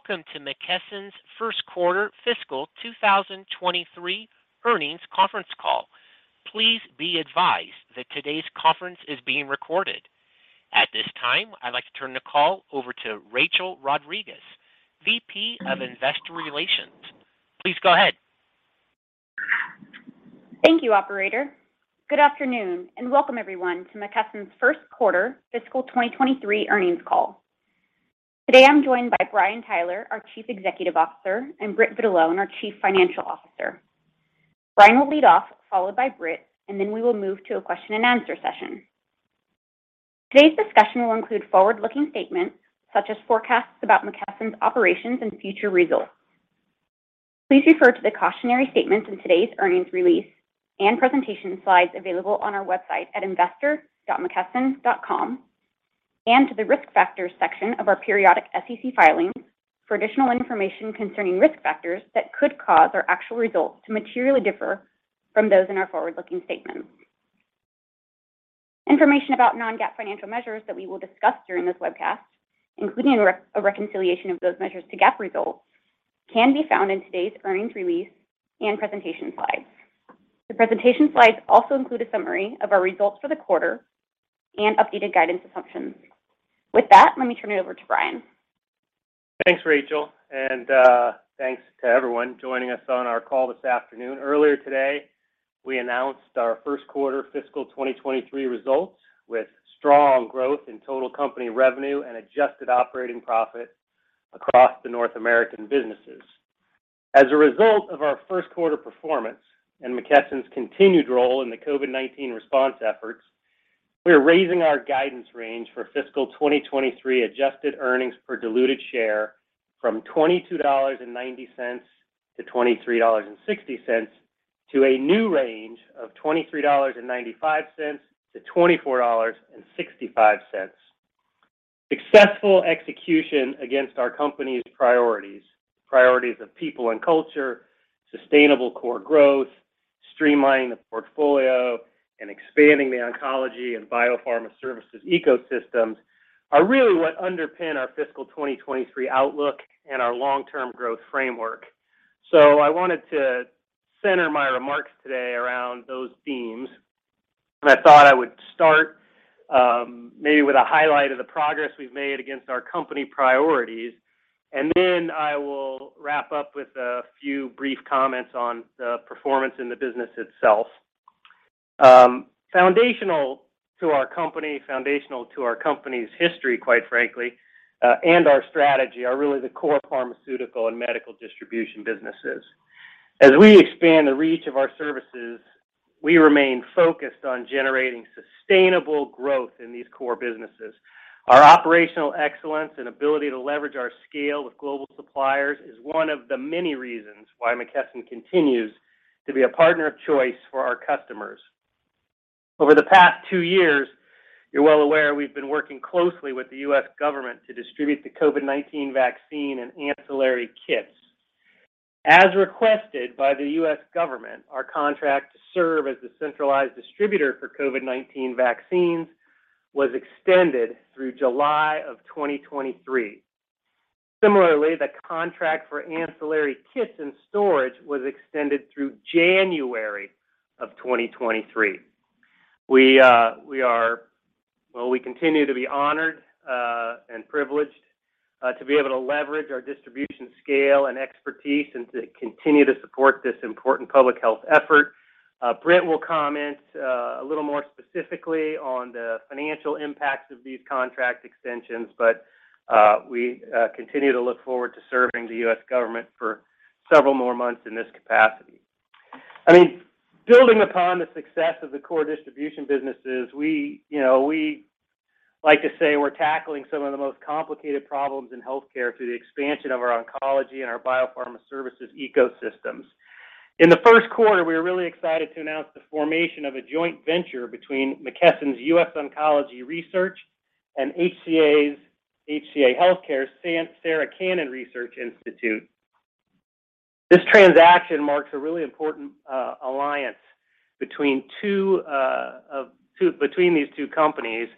Welcome to McKesson's first quarter fiscal 2023 earnings conference call. Please be advised that today's conference is being recorded. At this time, I'd like to turn the call over to Rachel Rodriguez, VP of Investor Relations. Please go ahead. Thank you, operator. Good afternoon, and welcome everyone to McKesson's first quarter fiscal 2023 earnings call. Today, I'm joined by Brian Tyler, our Chief Executive Officer, and Britt Vitalone, our Chief Financial Officer. Brian will lead off, followed by Britt, and then we will move to a question and answer session. Today's discussion will include forward-looking statements such as forecasts about McKesson's operations and future results. Please refer to the cautionary statements in today's earnings release and presentation slides available on our website at investor.mckesson.com and to the risk factors section of our periodic SEC filings for additional information concerning risk factors that could cause our actual results to materially differ from those in our forward-looking statements. Information about non-GAAP financial measures that we will discuss during this webcast, including a reconciliation of those measures to GAAP results, can be found in today's earnings release and presentation slides. The presentation slides also include a summary of our results for the quarter and updated guidance assumptions. With that, let me turn it over to Brian. Thanks, Rachel, and thanks to everyone joining us on our call this afternoon. Earlier today, we announced our first quarter fiscal 2023 results with strong growth in total company revenue and adjusted operating profit across the North American businesses. As a result of our first quarter performance and McKesson's continued role in the COVID-19 response efforts, we are raising our guidance range for fiscal 2023 adjusted earnings per diluted share from $22.90-23.60 to a new range of $23.95-24.65. Successful execution against our company's priorities of people and culture, sustainable core growth, streamlining the portfolio, and expanding the oncology and biopharma services ecosystems are really what underpin our fiscal 2023 outlook and our long-term growth framework. I wanted to center my remarks today around those themes, and I thought I would start, maybe with a highlight of the progress we've made against our company priorities. I will wrap up with a few brief comments on the performance in the business itself. Foundational to our company, foundational to our company's history, quite frankly, and our strategy are really the core pharmaceutical and medical distribution businesses. As we expand the reach of our services, we remain focused on generating sustainable growth in these core businesses. Our operational excellence and ability to leverage our scale with global suppliers is one of the many reasons why McKesson continues to be a partner of choice for our customers. Over the past two years, you're well aware we've been working closely with the U.S. government to distribute the COVID-19 vaccine and ancillary kits. As requested by the U.S. government, our contract to serve as the centralized distributor for COVID-19 vaccines was extended through July of 2023. Similarly, the contract for ancillary kits and storage was extended through January of 2023. We continue to be honored and privileged to be able to leverage our distribution scale and expertise and to continue to support this important public health effort. Britt will comment a little more specifically on the financial impacts of these contract extensions, but we continue to look forward to serving the U.S. government for several more months in this capacity. I mean, building upon the success of the core distribution businesses, we, you know, we like to say we're tackling some of the most complicated problems in healthcare through the expansion of our oncology and our biopharma services ecosystems. In the first quarter, we were really excited to announce the formation of a joint venture between McKesson's U.S. Oncology Research and HCA Healthcare's Sarah Cannon Research Institute. This transaction marks a really important alliance between these two companies,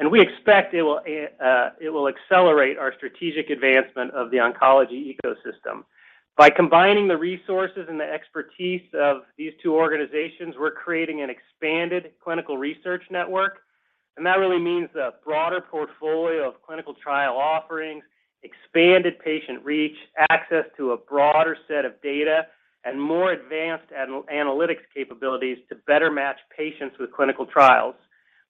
and we expect it will accelerate our strategic advancement of the oncology ecosystem. By combining the resources and the expertise of these two organizations, we're creating an expanded clinical research network, and that really means a broader portfolio of clinical trial offerings, expanded patient reach, access to a broader set of data, and more advanced analytics capabilities to better match patients with clinical trials.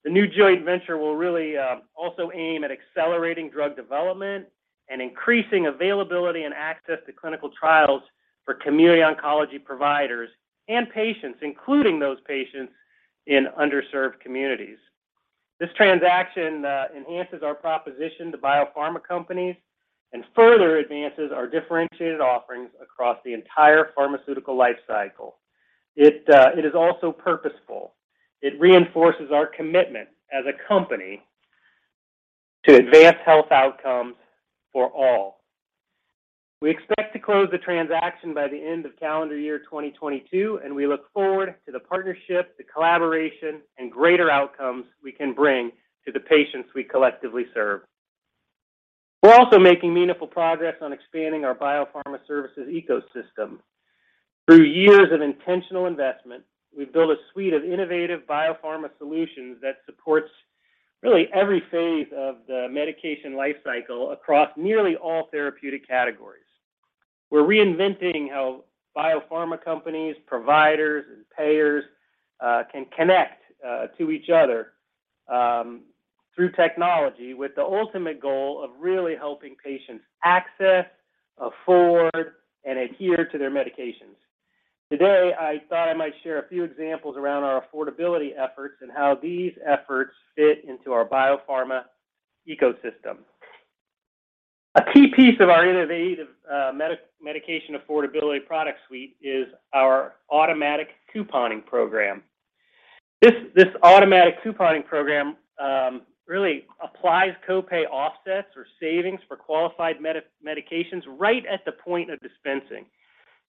The new joint venture will really also aim at accelerating drug development and increasing availability and access to clinical trials for community oncology providers and patients, including those patients in underserved communities. This transaction enhances our proposition to biopharma companies and further advances our differentiated offerings across the entire pharmaceutical life cycle. It is also purposeful. It reinforces our commitment as a company to advance health outcomes for all. We expect to close the transaction by the end of calendar year 2022, and we look forward to the partnership, the collaboration, and greater outcomes we can bring to the patients we collectively serve. We're also making meaningful progress on expanding our biopharma services ecosystem. Through years of intentional investment, we've built a suite of innovative biopharma solutions that supports really every phase of the medication life cycle across nearly all therapeutic categories. We're reinventing how biopharma companies, providers, and payers can connect to each other through technology with the ultimate goal of really helping patients access, afford, and adhere to their medications. Today, I thought I might share a few examples around our affordability efforts and how these efforts fit into our biopharma ecosystem. A key piece of our innovative, medication affordability product suite is our automatic couponing program. This automatic couponing program really applies co-pay offsets or savings for qualified medications right at the point of dispensing.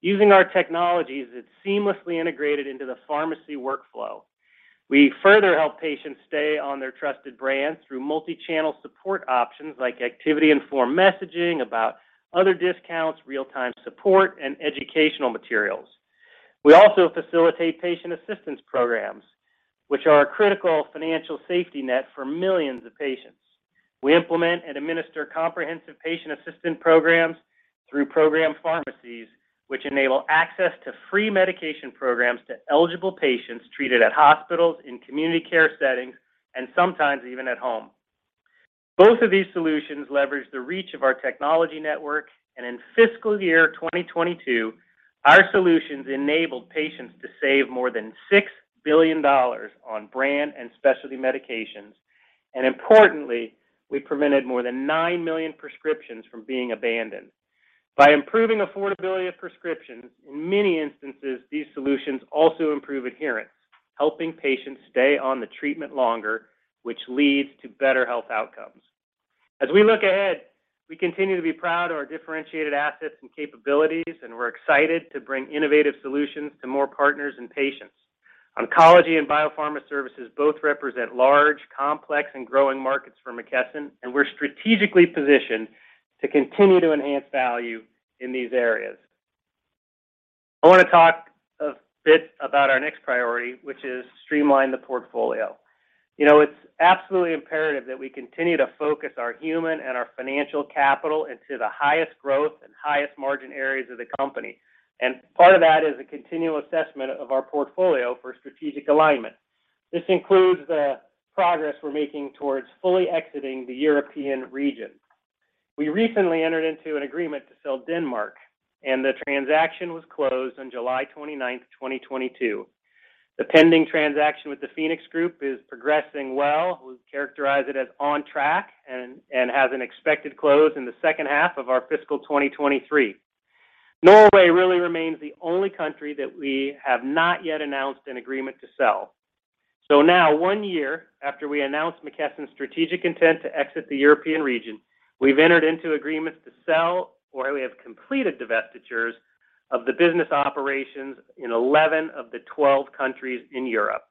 Using our technologies, it's seamlessly integrated into the pharmacy workflow. We further help patients stay on their trusted brands through multi-channel support options like activity-informed messaging about other discounts, real-time support, and educational materials. We also facilitate patient assistance programs, which are a critical financial safety net for millions of patients. We implement and administer comprehensive patient assistance programs through program pharmacies, which enable access to free medication programs to eligible patients treated at hospitals, in community care settings, and sometimes even at home. Both of these solutions leverage the reach of our technology network, and in fiscal year 2022, our solutions enabled patients to save more than $6 billion on brand and specialty medications. Importantly, we prevented more than nine million prescriptions from being abandoned. By improving affordability of prescriptions, in many instances, these solutions also improve adherence, helping patients stay on the treatment longer, which leads to better health outcomes. As we look ahead, we continue to be proud of our differentiated assets and capabilities, and we're excited to bring innovative solutions to more partners and patients. Oncology and biopharma services both represent large, complex, and growing markets for McKesson, and we're strategically positioned to continue to enhance value in these areas. I wanna talk a bit about our next priority, which is streamline the portfolio. You know, it's absolutely imperative that we continue to focus our human and our financial capital into the highest growth and highest margin areas of the company. Part of that is a continual assessment of our portfolio for strategic alignment. This includes the progress we're making towards fully exiting the European region. We recently entered into an agreement to sell Denmark, and the transaction was closed on 29th July 2022. The pending transaction with the PHOENIX group is progressing well. We characterize it as on track and has an expected close in the second half of our fiscal 2023. Norway really remains the only country that we have not yet announced an agreement to sell. Now, one year after we announced McKesson's strategic intent to exit the European region, we've entered into agreements to sell or we have completed divestitures of the business operations in 11 of the 12 countries in Europe.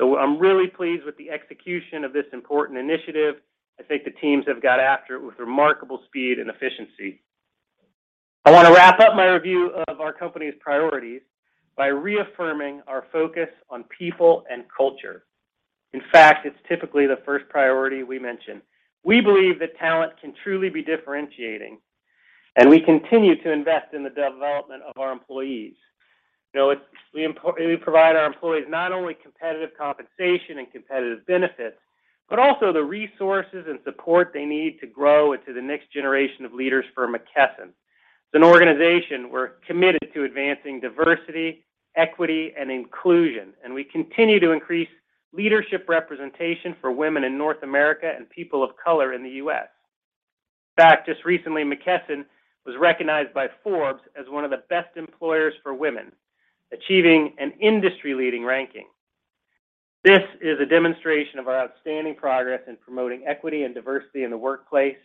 I'm really pleased with the execution of this important initiative. I think the teams have got after it with remarkable speed and efficiency. I wanna wrap up my review of our company's priorities by reaffirming our focus on people and culture. In fact, it's typically the first priority we mention. We believe that talent can truly be differentiating, and we continue to invest in the development of our employees. You know, we provide our employees not only competitive compensation and competitive benefits, but also the resources and support they need to grow into the next generation of leaders for McKesson. As an organization, we're committed to advancing diversity, equity, and inclusion, and we continue to increase leadership representation for women in North America and people of color in the U.S. In fact, just recently, McKesson was recognized by Forbes as one of the best employers for women, achieving an industry-leading ranking. This is a demonstration of our outstanding progress in promoting equity and diversity in the workplace,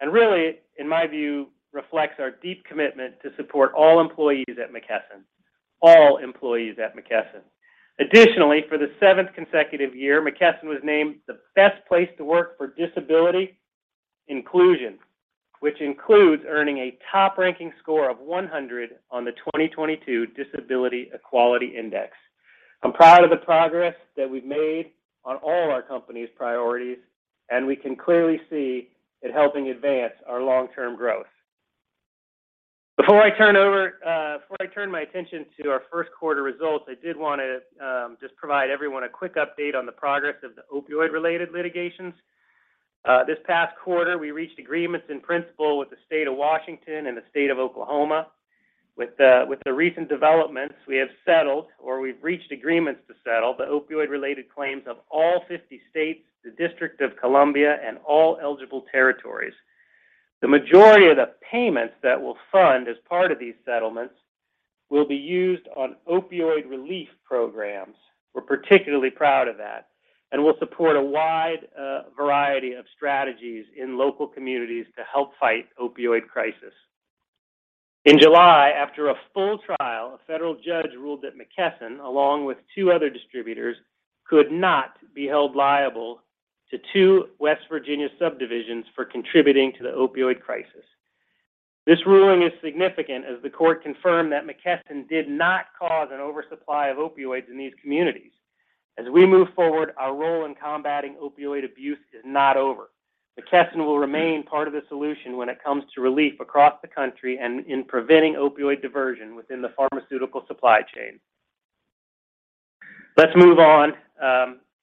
and really, in my view, reflects our deep commitment to support all employees at McKesson. Additionally, for the seventh consecutive year, McKesson was named the best place to work for disability inclusion, which includes earning a top-ranking score of 100 on the 2022 Disability Equality Index. I'm proud of the progress that we've made on all our company's priorities, and we can clearly see it helping advance our long-term growth. Before I turn over. Before I turn my attention to our first quarter results, I did wanna just provide everyone a quick update on the progress of the opioid-related litigations. This past quarter, we reached agreements in principle with the State of Washington and the State of Oklahoma. With the recent developments, we have settled or we've reached agreements to settle the opioid-related claims of all 50 states, the District of Columbia, and all eligible territories. The majority of the payments that we'll fund as part of these settlements will be used on opioid relief programs. We're particularly proud of that, and will support a wide variety of strategies in local communities to help fight opioid crisis. In July, after a full trial, a federal judge ruled that McKesson, along with two other distributors, could not be held liable to two West Virginia subdivisions for contributing to the opioid crisis. This ruling is significant as the court confirmed that McKesson did not cause an oversupply of opioids in these communities. As we move forward, our role in combating opioid abuse is not over. McKesson will remain part of the solution when it comes to relief across the country and in preventing opioid diversion within the pharmaceutical supply chain. Let's move on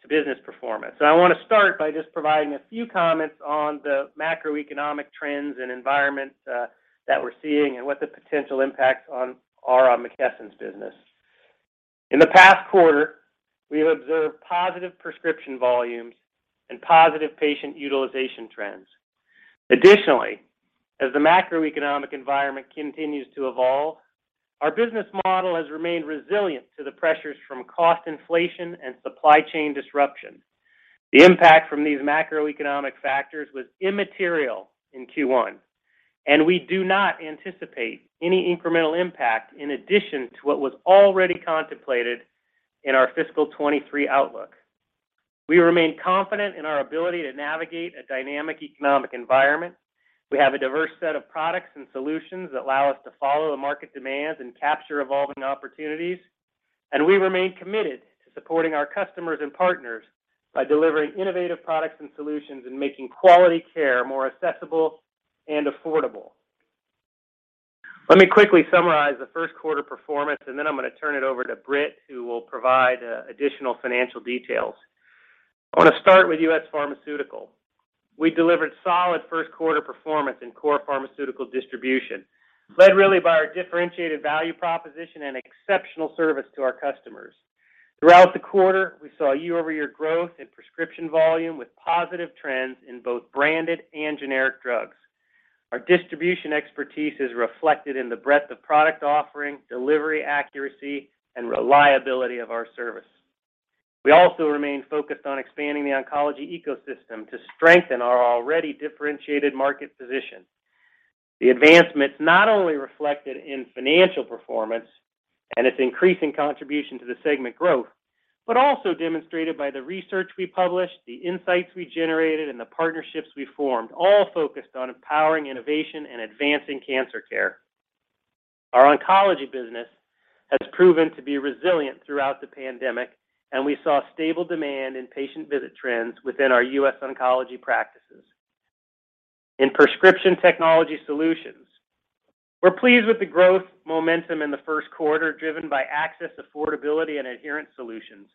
to business performance. I wanna start by just providing a few comments on the macroeconomic trends and environments that we're seeing and what the potential impacts are on McKesson's business. In the past quarter, we have observed positive prescription volumes and positive patient utilization trends. Additionally, as the macroeconomic environment continues to evolve, our business model has remained resilient to the pressures from cost inflation and supply chain disruption. The impact from these macroeconomic factors was immaterial in Q1, and we do not anticipate any incremental impact in addition to what was already contemplated in our fiscal 2023 outlook. We remain confident in our ability to navigate a dynamic economic environment. We have a diverse set of products and solutions that allow us to follow the market demands and capture evolving opportunities, and we remain committed to supporting our customers and partners by delivering innovative products and solutions and making quality care more accessible and affordable. Let me quickly summarize the first quarter performance, and then I'm gonna turn it over to Britt, who will provide additional financial details. I wanna start with U.S. Pharmaceutical. We delivered solid first quarter performance in core pharmaceutical distribution, led really by our differentiated value proposition and exceptional service to our customers. Throughout the quarter, we saw year-over-year growth in prescription volume with positive trends in both branded and generic drugs. Our distribution expertise is reflected in the breadth of product offering, delivery accuracy, and reliability of our service. We also remain focused on expanding the oncology ecosystem to strengthen our already differentiated market position. The advancements not only reflected in financial performance and its increasing contribution to the segment growth, but also demonstrated by the research we published, the insights we generated, and the partnerships we formed, all focused on empowering innovation and advancing cancer care. Our oncology business has proven to be resilient throughout the pandemic, and we saw stable demand in patient visit trends within our U.S. oncology practices. In Prescription Technology Solutions, we're pleased with the growth momentum in the first quarter, driven by access, affordability, and adherence solutions.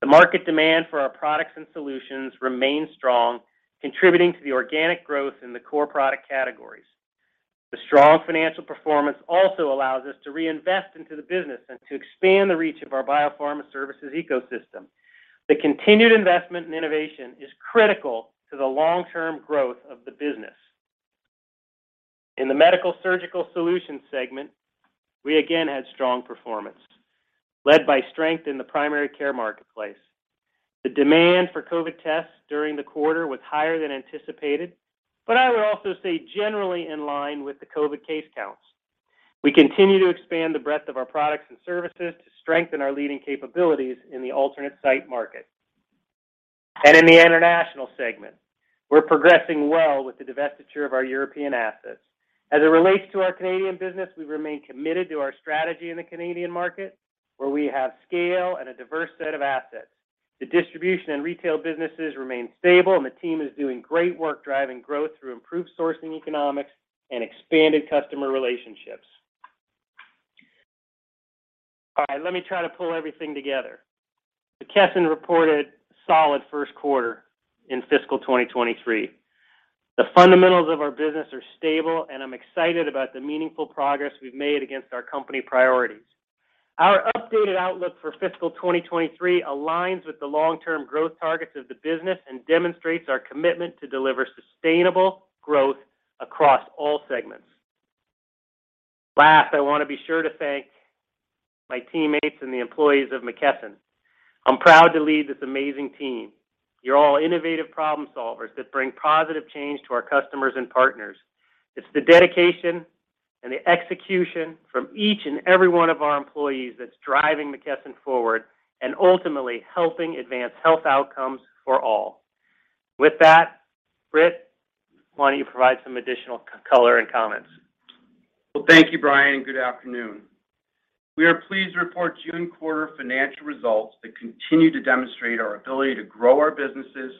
The market demand for our products and solutions remains strong, contributing to the organic growth in the core product categories. The strong financial performance also allows us to reinvest into the business and to expand the reach of our biopharma services ecosystem. The continued investment in innovation is critical to the long-term growth of the business. In the Medical-Surgical Solutions segment, we again had strong performance, led by strength in the primary care marketplace. The demand for COVID tests during the quarter was higher than anticipated, but I would also say generally in line with the COVID case counts. We continue to expand the breadth of our products and services to strengthen our leading capabilities in the alternate site market. In the international segment, we're progressing well with the divestiture of our European assets. As it relates to our Canadian business, we remain committed to our strategy in the Canadian market, where we have scale and a diverse set of assets. The distribution and retail businesses remain stable, and the team is doing great work driving growth through improved sourcing economics and expanded customer relationships. All right, let me try to pull everything together. McKesson reported solid first quarter in fiscal 2023. The fundamentals of our business are stable, and I'm excited about the meaningful progress we've made against our company priorities. Our updated outlook for fiscal 2023 aligns with the long-term growth targets of the business and demonstrates our commitment to deliver sustainable growth across all segments. Last, I wanna be sure to thank my teammates and the employees of McKesson. I'm proud to lead this amazing team. You're all innovative problem solvers that bring positive change to our customers and partners. It's the dedication and the execution from each and every one of our employees that's driving McKesson forward and ultimately helping advance health outcomes for all. With that, Britt, why don't you provide some additional color and comments? Well, thank you, Brian, and good afternoon. We are pleased to report June quarter financial results that continue to demonstrate our ability to grow our businesses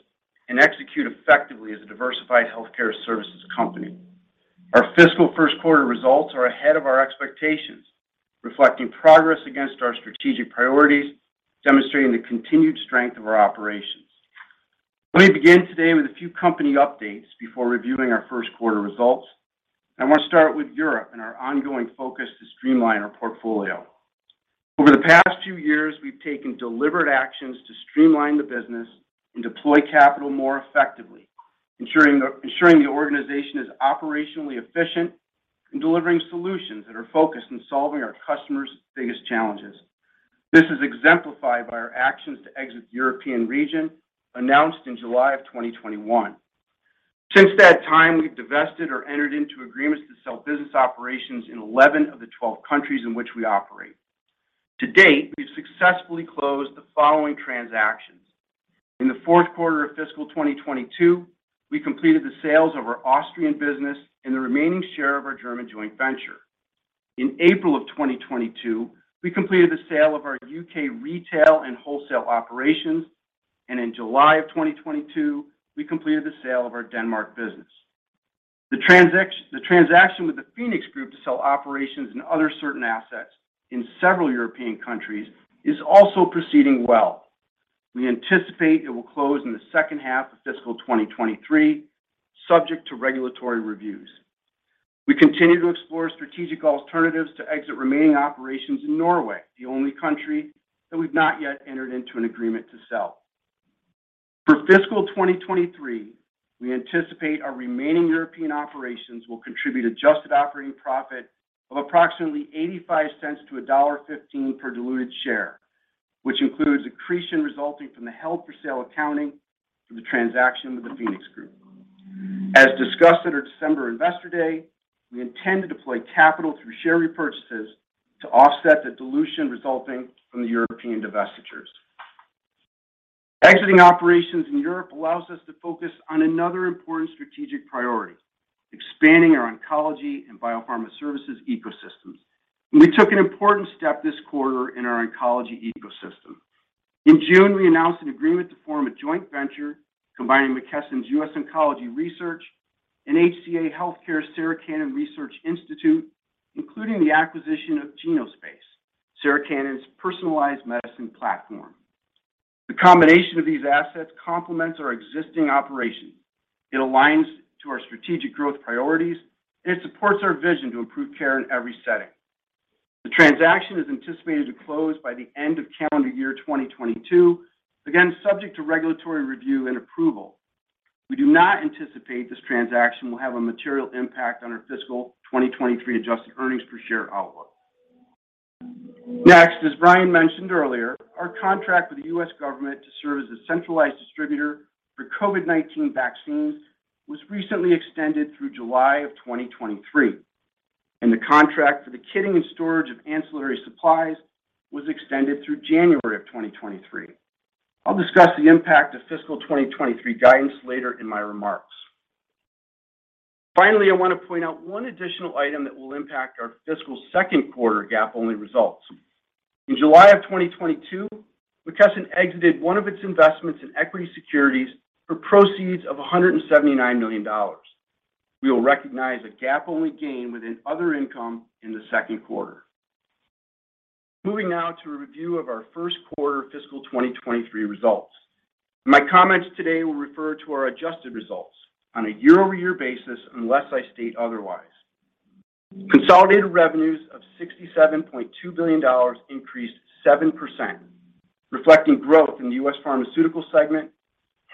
and execute effectively as a diversified healthcare services company. Our fiscal first quarter results are ahead of our expectations, reflecting progress against our strategic priorities, demonstrating the continued strength of our operations. Let me begin today with a few company updates before reviewing our first quarter results. I wanna start with Europe and our ongoing focus to streamline our portfolio. Over the past few years, we've taken deliberate actions to streamline the business and deploy capital more effectively, ensuring the organization is operationally efficient in delivering solutions that are focused on solving our customers' biggest challenges. This is exemplified by our actions to exit the European region, announced in July of 2021. Since that time, we've divested or entered into agreements to sell business operations in 11 of the 12 countries in which we operate. To date, we've successfully closed the following transactions. In the fourth quarter of fiscal 2022, we completed the sales of our Austrian business and the remaining share of our German joint venture. In April of 2022, we completed the sale of our U.K. Retail and wholesale operations. In July of 2022, we completed the sale of our Denmark business. The transaction with the PHOENIX group to sell operations and other certain assets in several European countries is also proceeding well. We anticipate it will close in the second half of fiscal 2023, subject to regulatory reviews. We continue to explore strategic alternatives to exit remaining operations in Norway, the only country that we've not yet entered into an agreement to sell. For fiscal 2023, we anticipate our remaining European operations will contribute adjusted operating profit of approximately $0.85-1.15 per diluted share, which includes accretion resulting from the held-for-sale accounting for the transaction with the PHOENIX group. As discussed at our December Investor Day, we intend to deploy capital through share repurchases to offset the dilution resulting from the European divestitures. Exiting operations in Europe allows us to focus on another important strategic priority: expanding our oncology and biopharma services ecosystems. We took an important step this quarter in our oncology ecosystem. In June, we announced an agreement to form a joint venture combining McKesson's U.S. Oncology Research and HCA Healthcare's Sarah Cannon Research Institute, including the acquisition of Genospace, Sarah Cannon's personalized medicine platform. The combination of these assets complements our existing operations. It aligns to our strategic growth priorities, and it supports our vision to improve care in every setting. The transaction is anticipated to close by the end of calendar year 2022, again, subject to regulatory review and approval. We do not anticipate this transaction will have a material impact on our fiscal 2023 adjusted earnings per share outlook. Next, as Brian mentioned earlier, our contract with the U.S. government to serve as a centralized distributor for COVID-19 vaccines was recently extended through July of 2023, and the contract for the kitting and storage of ancillary supplies was extended through January of 2023. I'll discuss the impact of fiscal 2023 guidance later in my remarks. Finally, I want to point out one additional item that will impact our fiscal second quarter GAAP-only results. In July of 2022, McKesson exited one of its investments in equity securities for proceeds of $179 million. We will recognize a GAAP-only gain within other income in the second quarter. Moving now to a review of our first quarter fiscal 2023 results. My comments today will refer to our adjusted results on a year-over-year basis unless I state otherwise. Consolidated revenues of $67.2 billion increased 7%, reflecting growth in the U.S. Pharmaceutical segment,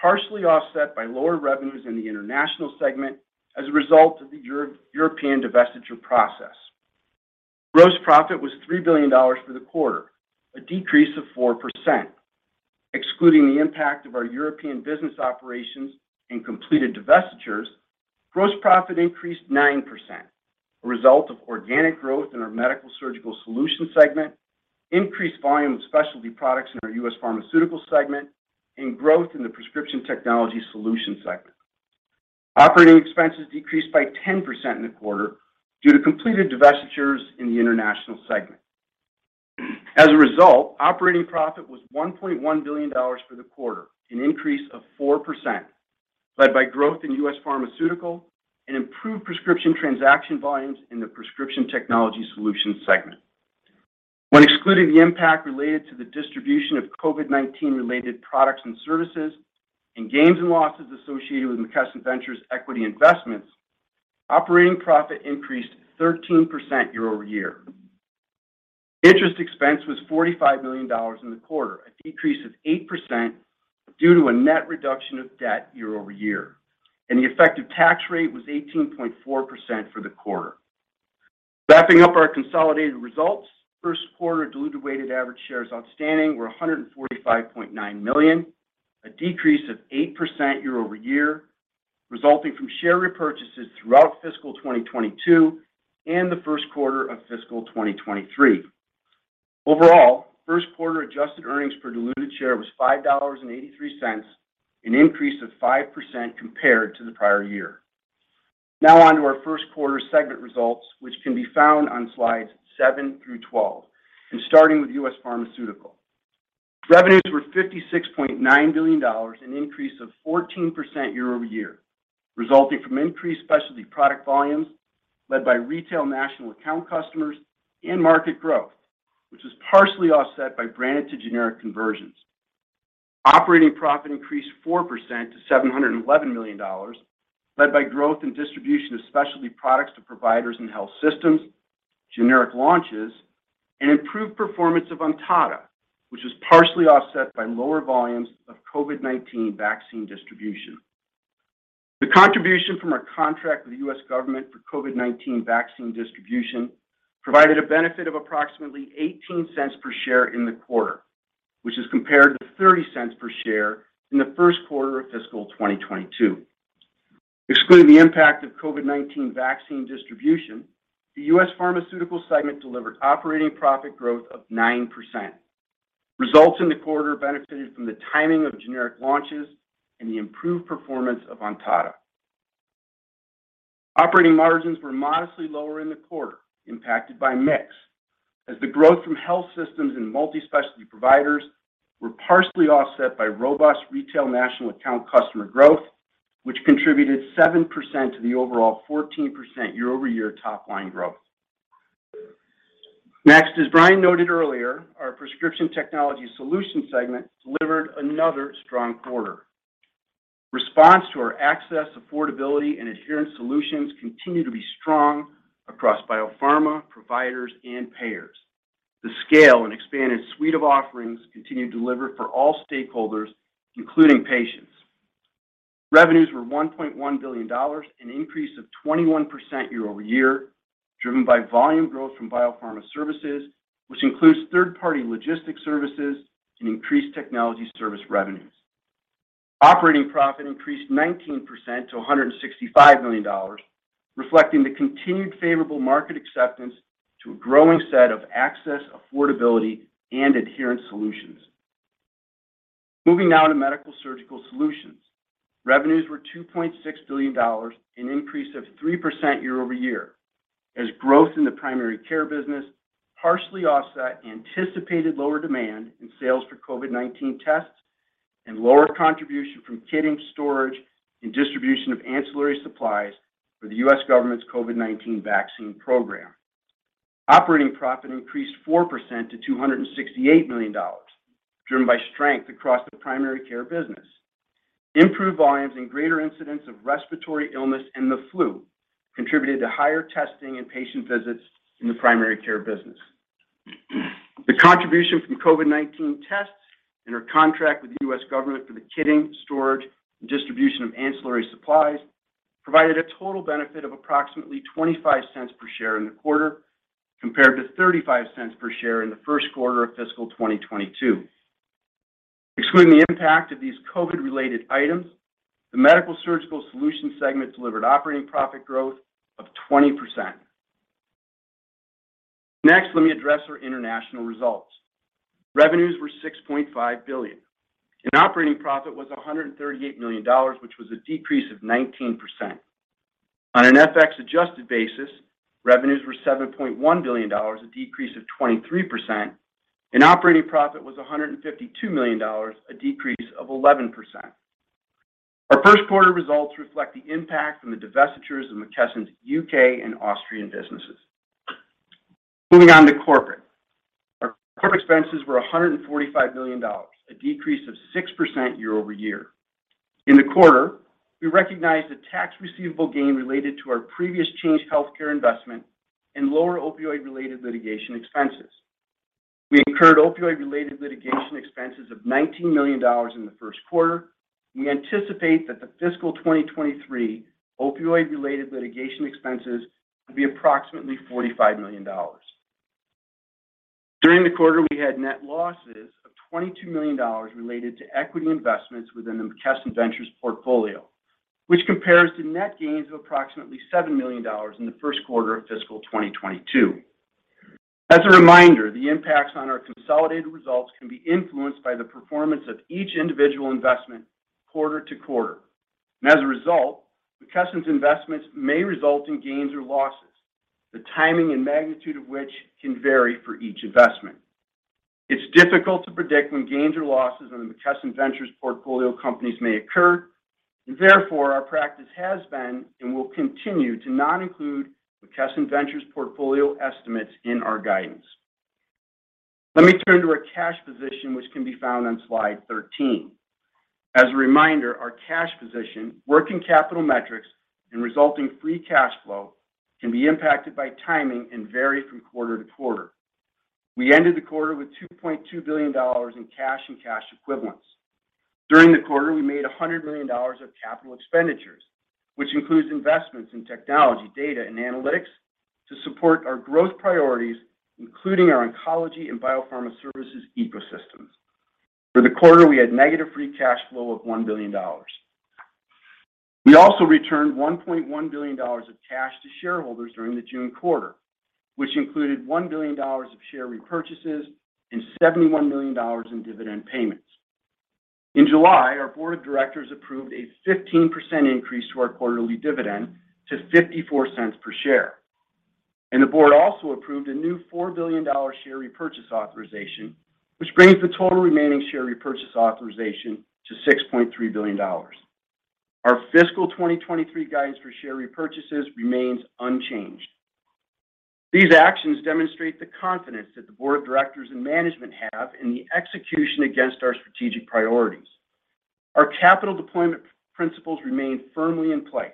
partially offset by lower revenues in the international segment as a result of the European divestiture process. Gross profit was $3 billion for the quarter, a decrease of 4%. Excluding the impact of our European business operations and completed divestitures, gross profit increased 9%, a result of organic growth in our Medical-Surgical Solutions segment, increased volume of specialty products in our U.S. Pharmaceutical segment, and growth in the Prescription Technology Solutions segment. Operating expenses decreased by 10% in the quarter due to completed divestitures in the international segment. As a result, operating profit was $1.1 billion for the quarter, an increase of 4%, led by growth in U.S. Pharmaceutical and improved prescription transaction volumes in the Prescription Technology Solutions segment. When excluding the impact related to the distribution of COVID-19-related products and services and gains and losses associated with McKesson Ventures equity investments, operating profit increased 13% year-over-year. Interest expense was $45 million in the quarter, a decrease of 8% due to a net reduction of debt year-over-year. The effective tax rate was 18.4% for the quarter. Wrapping up our consolidated results, first quarter diluted weighted average shares outstanding were $145.9 million, a decrease of 8% year-over-year, resulting from share repurchases throughout fiscal 2022 and the first quarter of fiscal 2023. Overall, first quarter adjusted earnings per diluted share was $5.83, an increase of 5% compared to the prior year. Now on to our first quarter segment results, which can be found on slides seven through 12, and starting with U.S. Pharmaceutical. Revenues were $56.9 billion, an increase of 14% year-over-year, resulting from increased specialty product volumes led by retail national account customers and market growth, which was partially offset by brand to generic conversions. Operating profit increased 4% to $711 million led by growth in distribution of specialty products to providers in health systems, generic launches, and improved performance of Ontada, which was partially offset by lower volumes of COVID-19 vaccine distribution. The contribution from our contract with the U.S. government for COVID-19 vaccine distribution provided a benefit of approximately $0.18 per share in the quarter, which is compared to $0.30 per share in the first quarter of fiscal 2022. Excluding the impact of COVID-19 vaccine distribution, the U.S. Pharmaceutical segment delivered operating profit growth of 9%. Results in the quarter benefited from the timing of generic launches and the improved performance of Ontada. Operating margins were modestly lower in the quarter, impacted by mix, as the growth from health systems and multi-specialty providers were partially offset by robust retail national account customer growth, which contributed 7% to the overall 14% year-over-year top line growth. Next, as Brian noted earlier, our Prescription Technology Solutions segment delivered another strong quarter. Response to our access, affordability, and adherence solutions continue to be strong across biopharma, providers and payers. The scale and expanded suite of offerings continue to deliver for all stakeholders, including patients. Revenues were $1.1 billion, an increase of 21% year-over-year, driven by volume growth from biopharma services, which includes third-party logistics services and increased technology service revenues. Operating profit increased 19% to $165 million, reflecting the continued favorable market acceptance to a growing set of access, affordability and adherence solutions. Moving now to Medical-Surgical Solutions. Revenues were $2.6 billion, an increase of 3% year-over-year, as growth in the primary care business partially offset anticipated lower demand in sales for COVID-19 tests and lower contribution from kitting, storage, and distribution of ancillary supplies for the U.S. government's COVID-19 vaccine program. Operating profit increased 4% to $268 million, driven by strength across the primary care business. Improved volumes and greater incidence of respiratory illness and the flu contributed to higher testing and patient visits in the primary care business. The contribution from COVID-19 tests and our contract with the U.S. government for the kitting, storage, and distribution of ancillary supplies provided a total benefit of approximately $0.25 per share in the quarter, compared to $0.35 per share in the first quarter of fiscal 2022. Excluding the impact of these COVID-related items, the Medical-Surgical Solutions segment delivered operating profit growth of 20%. Next, let me address our international results. Revenues were $6.5 billion, and operating profit was $138 million, which was a decrease of 19%. On an FX-adjusted basis, revenues were $7.1 billion, a decrease of 23%, and operating profit was $152 million, a decrease of 11%. Our first quarter results reflect the impact from the divestitures of McKesson's U.K. and Austrian businesses. Moving on to corporate. Our corporate expenses were $145 million, a decrease of 6% year-over-year. In the quarter, we recognized a tax receivable gain related to our previous Change Healthcare investment and lower opioid-related litigation expenses. We incurred opioid-related litigation expenses of $19 million in the first quarter. We anticipate that the fiscal 2023 opioid-related litigation expenses will be approximately $45 million. During the quarter, we had net losses of $22 million related to equity investments within the McKesson Ventures portfolio, which compares to net gains of approximately $7 million in the first quarter of fiscal 2022. As a reminder, the impacts on our consolidated results can be influenced by the performance of each individual investment quarter-to-quarter. As a result, McKesson's investments may result in gains or losses, the timing and magnitude of which can vary for each investment. It's difficult to predict when gains or losses on the McKesson Ventures portfolio companies may occur. Therefore, our practice has been and will continue to not include McKesson Ventures portfolio estimates in our guidance. Let me turn to our cash position, which can be found on slide 13. As a reminder, our cash position, working capital metrics, and resulting free cash flow can be impacted by timing and vary from quarter to quarter. We ended the quarter with $2.2 billion in cash and cash equivalents. During the quarter, we made $100 million of capital expenditures, which includes investments in technology, data, and analytics to support our growth priorities, including our oncology and biopharma services ecosystems. For the quarter, we had negative free cash flow of $1 billion. We also returned $1.1 billion of cash to shareholders during the June quarter, which included $1 billion of share repurchases and $71 million in dividend payments. In July, our board of directors approved a 15% increase to our quarterly dividend to $0.54 per share. The board also approved a new $4 billion share repurchase authorization, which brings the total remaining share repurchase authorization to $6.3 billion. Our fiscal 2023 guidance for share repurchases remains unchanged. These actions demonstrate the confidence that the board of directors and management have in the execution against our strategic priorities. Our capital deployment principles remain firmly in place.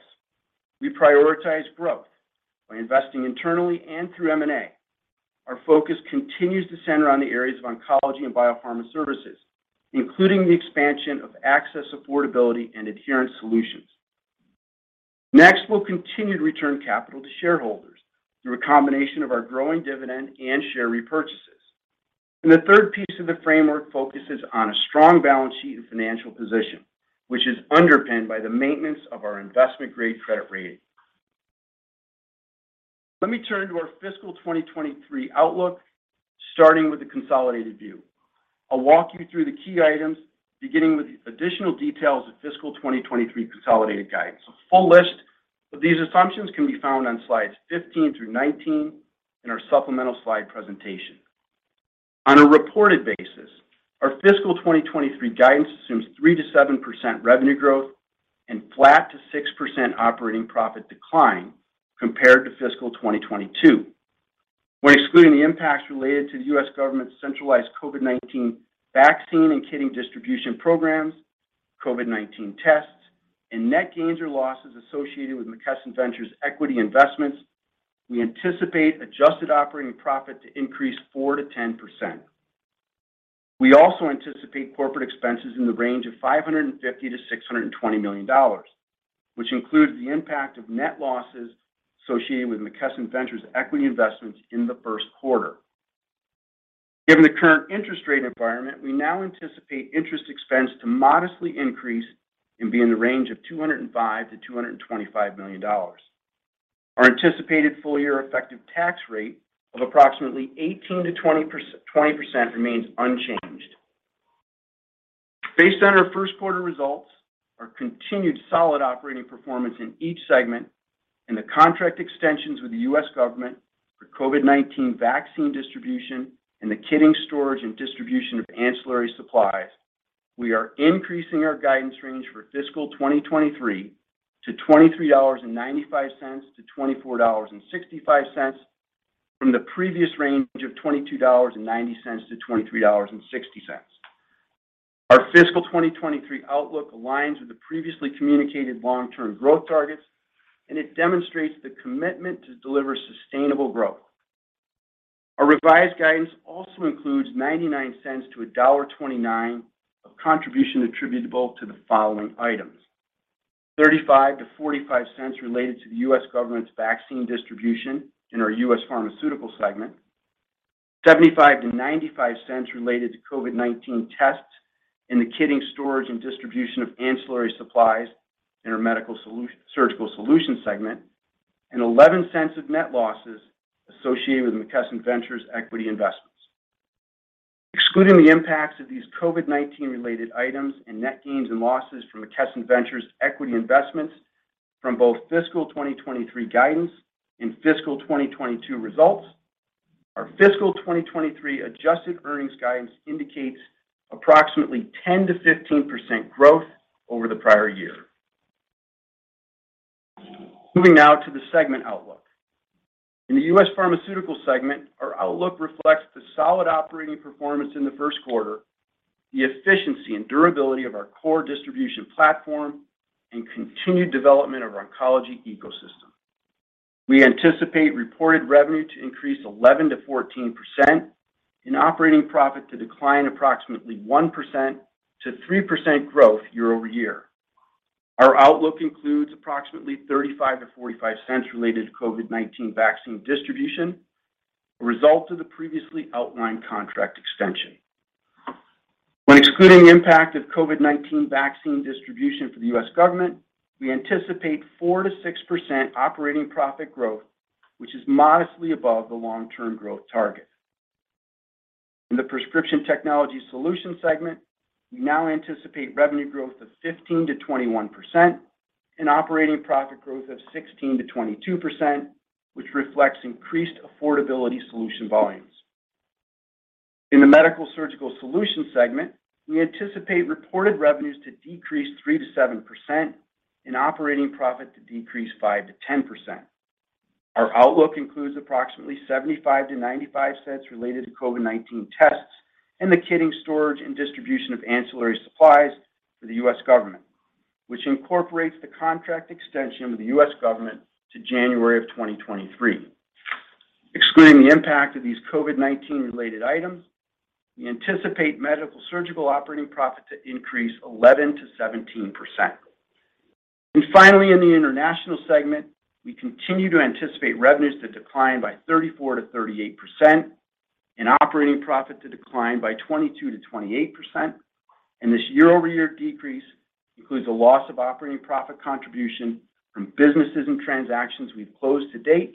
We prioritize growth by investing internally and through M&A. Our focus continues to center on the areas of oncology and biopharma services, including the expansion of access, affordability, and adherence solutions. Next, we'll continue to return capital to shareholders through a combination of our growing dividend and share repurchases. The third piece of the framework focuses on a strong balance sheet and financial position, which is underpinned by the maintenance of our investment-grade credit rating. Let me turn to our fiscal 2023 outlook, starting with the consolidated view. I'll walk you through the key items, beginning with the additional details of fiscal 2023 consolidated guidance. A full list of these assumptions can be found on slides 15 through 19 in our supplemental slide presentation. On a reported basis, our fiscal 2023 guidance assumes 3%-7% revenue growth and flat to 6% operating profit decline compared to fiscal 2022. When excluding the impacts related to the U.S. government's centralized COVID-19 vaccine and kitting distribution programs, COVID-19 tests, and net gains or losses associated with McKesson Ventures' equity investments, we anticipate adjusted operating profit to increase 4%-10%. We also anticipate corporate expenses in the range of $550-620 million, which includes the impact of net losses associated with McKesson Ventures' equity investments in the first quarter. Given the current interest rate environment, we now anticipate interest expense to modestly increase and be in the range of $205-225 million. Our anticipated full-year effective tax rate of approximately 18%-20% remains unchanged. Based on our first quarter results, our continued solid operating performance in each segment, and the contract extensions with the U.S. government for COVID-19 vaccine distribution and the kitting storage and distribution of ancillary supplies, we are increasing our guidance range for fiscal 2023 to $23.95-24.65 from the previous range of $22.90-23.60. Our fiscal 2023 outlook aligns with the previously communicated long-term growth targets, and it demonstrates the commitment to deliver sustainable growth. Our revised guidance also includes $0.99-1.29 of contribution attributable to the following items: $0.35-0.45 related to the U.S. government's vaccine distribution in our U.S. Pharmaceutical segment, $0.75-0.95 related to COVID-19 tests and the kitting storage and distribution of ancillary supplies in our Medical-Surgical Solutions segment, and $0.11 of net losses associated with McKesson Ventures equity investments. Excluding the impacts of these COVID-19 related items and net gains and losses from McKesson Ventures equity investments from both fiscal 2023 guidance and fiscal 2022 results, our fiscal 2023 adjusted earnings guidance indicates approximately 10%-15% growth over the prior year. Moving now to the segment outlook. In the U.S. Pharmaceutical segment, our outlook reflects the solid operating performance in the first quarter, the efficiency and durability of our core distribution platform, and continued development of our oncology ecosystem. We anticipate reported revenue to increase 11%-14% and operating profit to decline approximately 1% to 3% growth year-over-year. Our outlook includes approximately $0.35-0.45 related to COVID-19 vaccine distribution, a result of the previously outlined contract extension. When excluding the impact of COVID-19 vaccine distribution for the U.S. government, we anticipate 4%-6% operating profit growth, which is modestly above the long-term growth target. In the Prescription Technology Solutions segment, we now anticipate revenue growth of 15%-21% and operating profit growth of 16%-22%, which reflects increased affordability solution volumes. In the Medical-Surgical Solutions segment, we anticipate reported revenues to decrease 3%-7% and operating profit to decrease 5%-10%. Our outlook includes approximately $0.75-0.95 related to COVID-19 tests and the kitting, storage, and distribution of ancillary supplies for the U.S. government, which incorporates the contract extension with the U.S. government to January of 2023. Excluding the impact of these COVID-19 related items, we anticipate Medical-Surgical operating profit to increase 11%-17%. Finally, in the International segment, we continue to anticipate revenues to decline by 34%-38% and operating profit to decline by 22%-28%. This year-over-year decrease includes a loss of operating profit contribution from businesses and transactions we've closed to date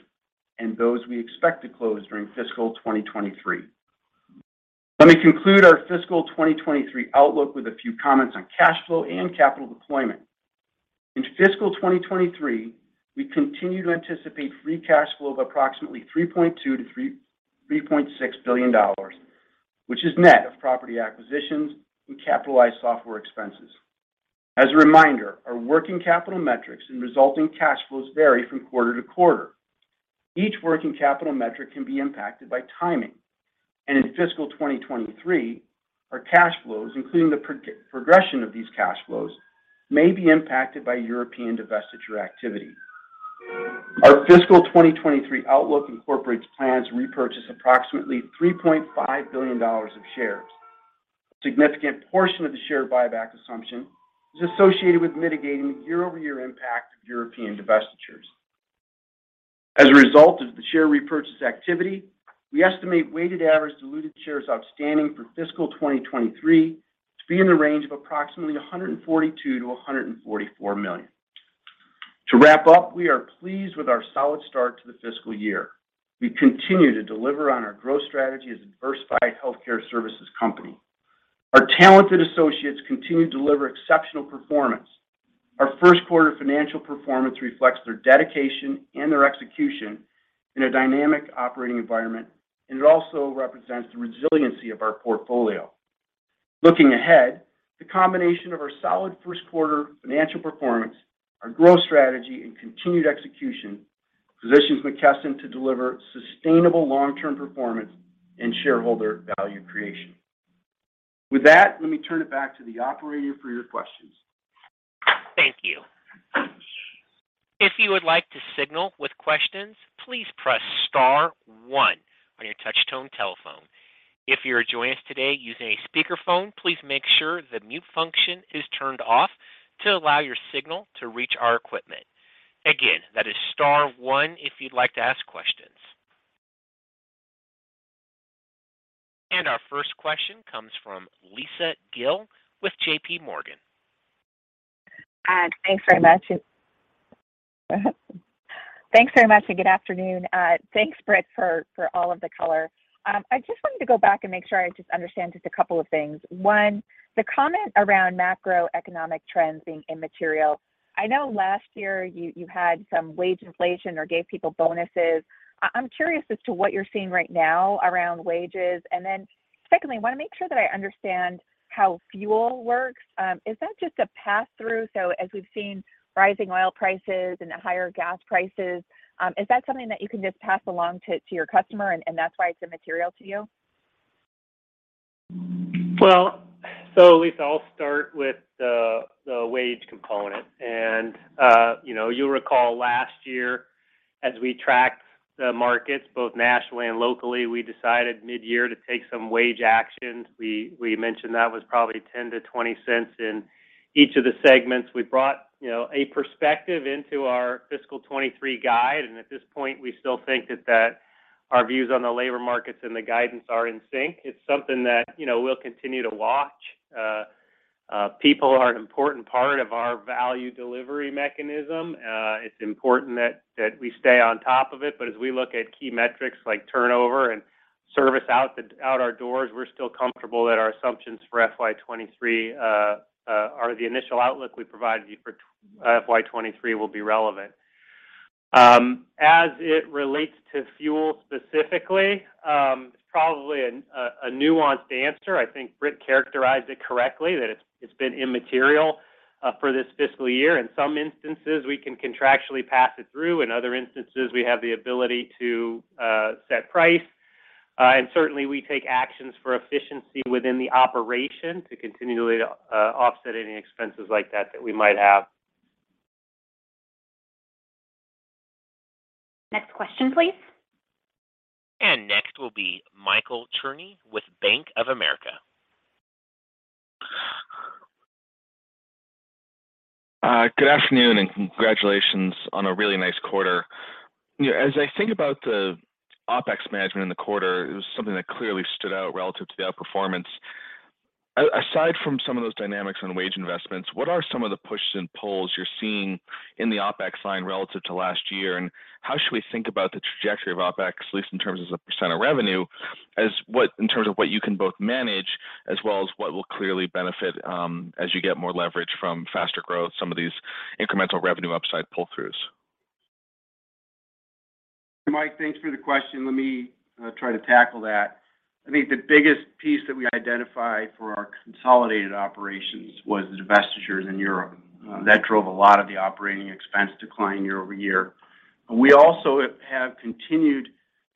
and those we expect to close during fiscal 2023. Let me conclude our fiscal 2023 outlook with a few comments on cash flow and capital deployment. In fiscal 2023, we continue to anticipate free cash flow of approximately $3.2-3.6 billion, which is net of property acquisitions and capitalized software expenses. As a reminder, our working capital metrics and resulting cash flows vary from quarter to quarter. Each working capital metric can be impacted by timing. In fiscal 2023, our cash flows, including the progression of these cash flows, may be impacted by European divestiture activity. Our fiscal 2023 outlook incorporates plans to repurchase approximately $3.5 billion of shares. A significant portion of the share buyback assumption is associated with mitigating the year-over-year impact of European divestitures. As a result of the share repurchase activity, we estimate weighted average diluted shares outstanding for fiscal 2023 to be in the range of approximately $142-144 million. To wrap up, we are pleased with our solid start to the fiscal year. We continue to deliver on our growth strategy as a diversified healthcare services company. Our talented associates continue to deliver exceptional performance. Our first quarter financial performance reflects their dedication and their execution in a dynamic operating environment, and it also represents the resiliency of our portfolio. Looking ahead, the combination of our solid first quarter financial performance, our growth strategy and continued execution positions McKesson to deliver sustainable long-term performance and shareholder value creation. With that, let me turn it back to the operator for your questions. Thank you. If you would like to signal with questions, please press star one on your touchtone telephone. If you're joining us today using a speakerphone, please make sure the mute function is turned off to allow your signal to reach our equipment. Again, that is star one if you'd like to ask questions. Our first question comes from Lisa Gill with JPMorgan. Thanks very much, and good afternoon. Thanks, Britt, for all of the color. I just wanted to go back and make sure I just understand just a couple of things. One, the comment around macroeconomic trends being immaterial. I know last year you had some wage inflation or gave people bonuses. I'm curious as to what you're seeing right now around wages. Then secondly, I wanna make sure that I understand how fuel works. Is that just a pass-through? As we've seen rising oil prices and higher gas prices, is that something that you can just pass along to your customer and that's why it's immaterial to you? Lisa, I'll start with the wage component. You know, you'll recall last year as we tracked the markets both nationally and locally, we decided mid-year to take some wage actions. We mentioned that was probably $0.10-0.20 in each of the segments. We brought, you know, a perspective into our fiscal 2023 guide, and at this point, we still think that our views on the labor markets and the guidance are in sync. It's something that, you know, we'll continue to watch. People are an important part of our value delivery mechanism. It's important that we stay on top of it, but as we look at key metrics like turnover and service out our doors, we're still comfortable that our assumptions for FY 2023, or the initial outlook we provided you for FY 2023 will be relevant. As it relates to fuel specifically, it's probably a nuanced answer. I think Britt characterized it correctly that it's been immaterial for this fiscal year. In some instances, we can contractually pass it through. In other instances, we have the ability to set price. Certainly, we take actions for efficiency within the operation to continually offset any expenses like that we might have. Next question, please. Next will be Michael Cherny with Bank of America. Good afternoon, and congratulations on a really nice quarter. You know, as I think about the OpEx management in the quarter, it was something that clearly stood out relative to the outperformance. Aside from some of those dynamics on wage investments, what are some of the pushes and pulls you're seeing in the OpEx line relative to last year? How should we think about the trajectory of OpEx, at least in terms of the percent of revenue, in terms of what you can both manage as well as what will clearly benefit as you get more leverage from faster growth, some of these incremental revenue upside pull-throughs? Michael, thanks for the question. Let me try to tackle that. I think the biggest piece that we identified for our consolidated operations was the divestitures in Europe. That drove a lot of the operating expense decline year-over-year. We also have continued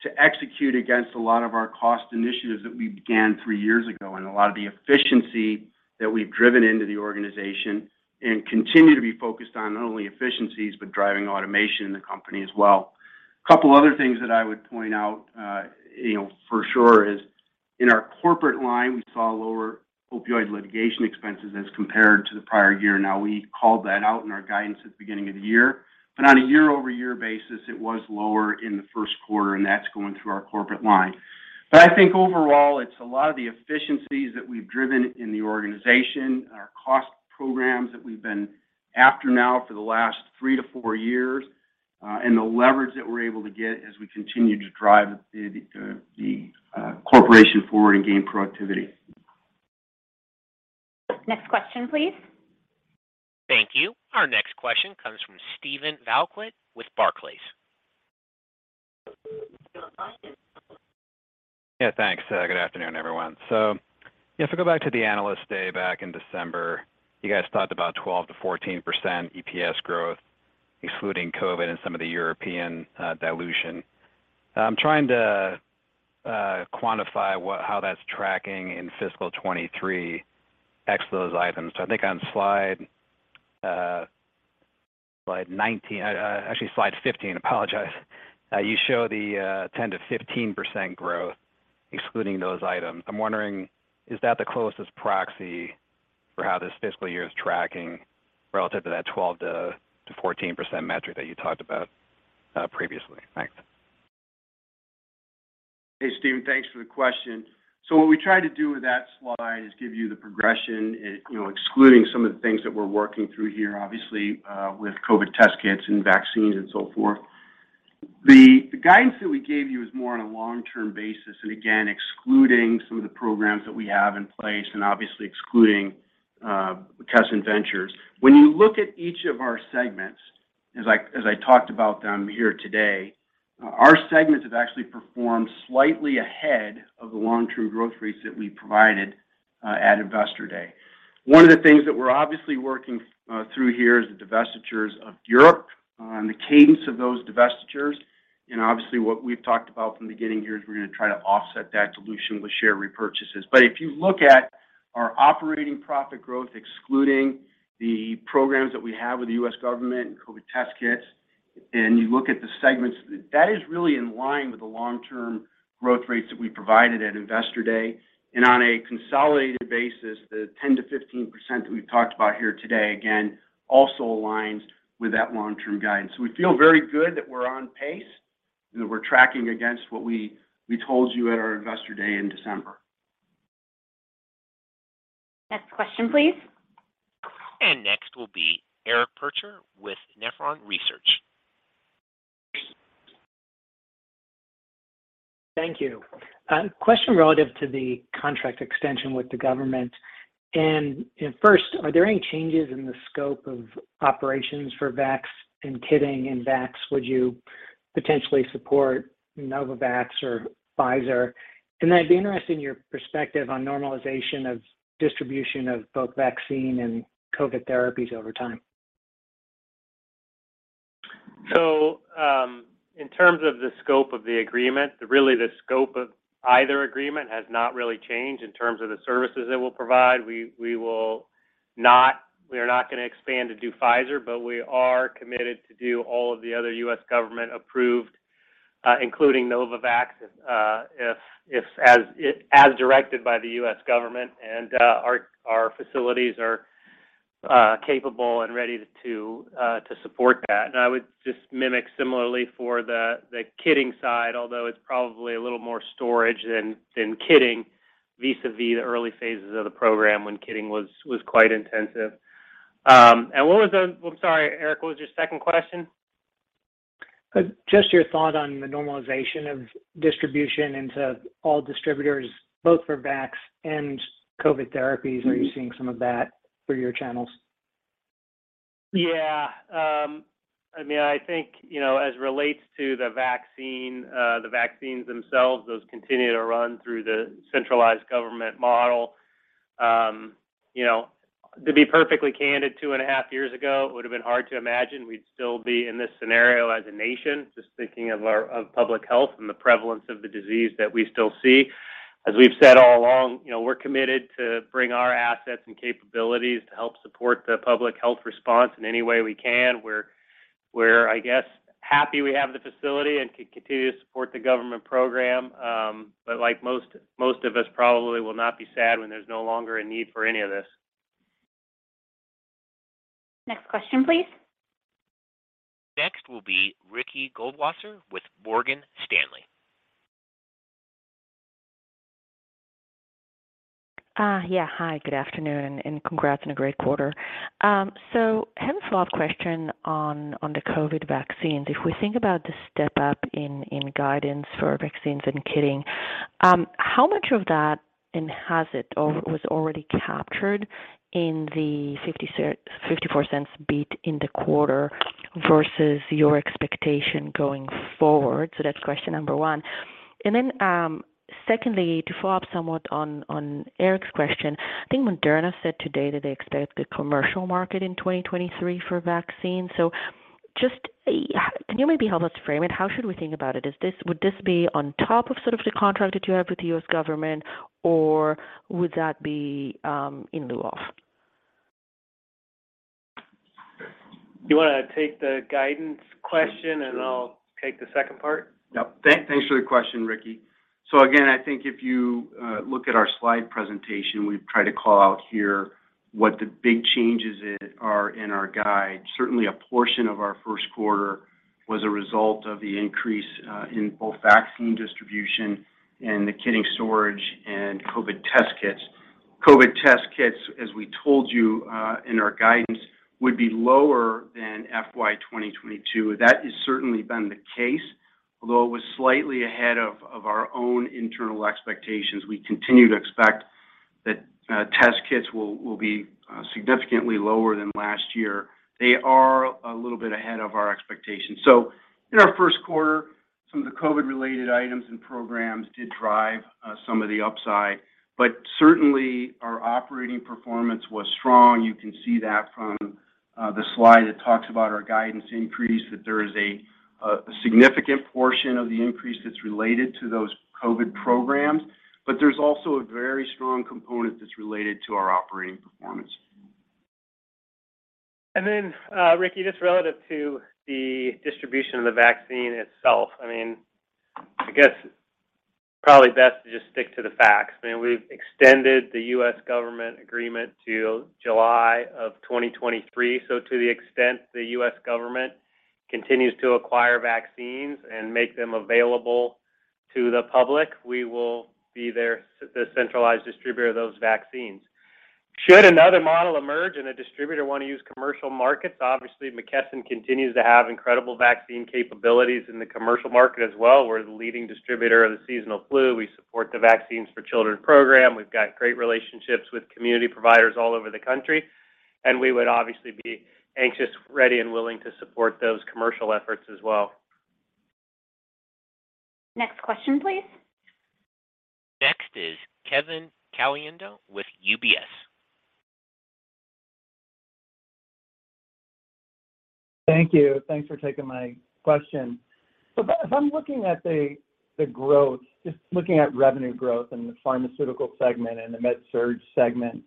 to execute against a lot of our cost initiatives that we began three years ago and a lot of the efficiency that we've driven into the organization and continue to be focused on not only efficiencies, but driving automation in the company as well. A couple other things that I would point out, you know, for sure is in our corporate line, we saw lower opioid litigation expenses as compared to the prior year. Now, we called that out in our guidance at the beginning of the year. On a year-over-year basis, it was lower in the first quarter, and that's going through our corporate line. I think overall, it's a lot of the efficiencies that we've driven in the organization and our cost programs that we've been after now for the last three to four years, and the leverage that we're able to get as we continue to drive the corporation forward and gain productivity. Next question, please. Thank you. Our next question comes from Steven Valiquette with Barclays. Yeah, thanks. Good afternoon, everyone. If we go back to the Analyst Day back in December, you guys talked about 12%-14% EPS growth excluding COVID and some of the European dilution. I'm trying to quantify how that's tracking in fiscal 2023, X those items. I think on slide 19. Actually, slide 15. Apologize. You show the 10%-15% growth excluding those items. I'm wondering, is that the closest proxy for how this fiscal year is tracking relative to that 12%-14% metric that you talked about previously? Thanks. Hey, Steven. Thanks for the question. What we tried to do with that slide is give you the progression, you know, excluding some of the things that we're working through here, obviously, with COVID test kits and vaccines and so forth. The guidance that we gave you is more on a long-term basis, and again, excluding some of the programs that we have in place and obviously excluding the McKesson Ventures. When you look at each of our segments, as I talked about them here today, our segments have actually performed slightly ahead of the long-term growth rates that we provided at Investor Day. One of the things that we're obviously working through here is the divestitures of Europe, the cadence of those divestitures. Obviously, what we've talked about from the beginning here is we're gonna try to offset that dilution with share repurchases. If you look at our operating profit growth, excluding the programs that we have with the U.S. government and COVID test kits, and you look at the segments, that is really in line with the long-term growth rates that we provided at Investor Day. On a consolidated basis, the 10%-15% that we've talked about here today, again, also aligns with that long-term guidance. We feel very good that we're on pace and that we're tracking against what we told you at our Investor Day in December. Next question, please. Next will be Eric Percher with Nephron Research. Thank you. Question relative to the contract extension with the government. First, are there any changes in the scope of operations for vax and kitting and vax? Would you potentially support Novavax or Pfizer? I'd be interested in your perspective on normalization of distribution of both vaccine and COVID therapies over time. In terms of the scope of the agreement, really the scope of either agreement has not really changed in terms of the services it will provide. We are not gonna expand to do Pfizer, but we are committed to do all of the other U.S. government-approved, including Novavax, if, as directed by the U.S. government. Our facilities are capable and ready to support that. I would just mimic similarly for the kitting side, although it's probably a little more storage than kitting vis-à-vis the early phases of the program when kitting was quite intensive. What was the... I'm sorry, Eric, what was your second question? Just your thought on the normalization of distribution into all distributors, both for vax and COVID therapies. Mm-hmm. Are you seeing some of that through your channels? Yeah. I mean, I think, you know, as relates to the vaccine, the vaccines themselves, those continue to run through the centralized government model. You know, to be perfectly candid, two and a half years ago, it would've been hard to imagine we'd still be in this scenario as a nation, just thinking of our public health and the prevalence of the disease that we still see. As we've said all along, you know, we're committed to bring our assets and capabilities to help support the public health response in any way we can. We're happy we have the facility and can continue to support the government program. Like most of us probably will not be sad when there's no longer a need for any of this. Next question, please. Next will be Ricky Goldwasser with Morgan Stanley. Hi, good afternoon, and congrats on a great quarter. So have a follow-up question on the COVID vaccines. If we think about the step-up in guidance for vaccines and kitting, how much of that enhances or was already captured in the $0.54 beat in the quarter versus your expectation going forward? That's question number one. Then, secondly, to follow up somewhat on Eric's question, I think Moderna said today that they expect the commercial market in 2023 for vaccines. Just, can you maybe help us frame it? How should we think about it? Is this? Would this be on top of sort of the contract that you have with the U.S. government, or would that be in lieu of? You wanna take the guidance question, and I'll take the second part? Yep. Thanks for the question, Ricky. Again, I think if you look at our slide presentation, we've tried to call out here what the big changes are in our guide. Certainly, a portion of our first quarter was a result of the increase in both vaccine distribution and the kitting storage and COVID test kits. COVID test kits, as we told you, in our guidance, would be lower than FY 2022. That has certainly been the case, although it was slightly ahead of our own internal expectations. We continue to expect That test kits will be significantly lower than last year. They are a little bit ahead of our expectations. In our first quarter, some of the COVID-related items and programs did drive some of the upside. Certainly, our operating performance was strong. You can see that from the slide that talks about our guidance increase, that there is a significant portion of the increase that's related to those COVID programs. There's also a very strong component that's related to our operating performance. Ricky, just relative to the distribution of the vaccine itself, I mean, I guess probably best to just stick to the facts. I mean, we've extended the U.S. government agreement to July of 2023. To the extent the U.S. government continues to acquire vaccines and make them available to the public, we will be their the centralized distributor of those vaccines. Should another model emerge and a distributor want to use commercial markets, obviously, McKesson continues to have incredible vaccine capabilities in the commercial market as well. We're the leading distributor of the seasonal flu. We support the Vaccines for Children program. We've got great relationships with community providers all over the country, and we would obviously be anxious, ready, and willing to support those commercial efforts as well. Next question, please. Next is Kevin Caliendo with UBS. Thank you. Thanks for taking my question. If I'm looking at the growth, just looking at revenue growth in the pharmaceutical segment and the Med-Surg segment,